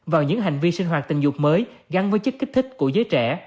vào những hành vi sinh hoạt tình dục mới gắn với chất kích thích của giới trẻ